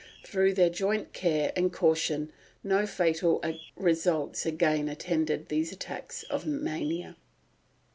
Through their joint care and caution no fatal results again attended these attacks of mania.